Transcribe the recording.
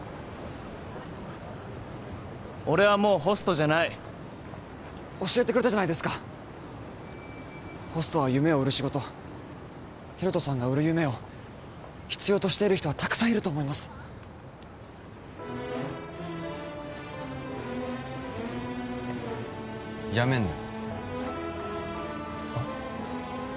俺はもうホストじゃない教えてくれたじゃないですかホストは夢を売る仕事ヒロトさんが売る夢を必要としている人はたくさんいると思いますやめんなはっ？